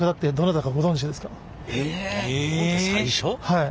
はい。